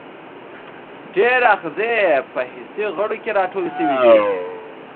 ډیری آخذې په حسي غړو کې راټولې شوي دي.